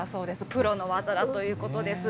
プロの技だということです。